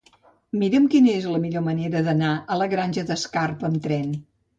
Mira'm quina és la millor manera d'anar a la Granja d'Escarp amb tren.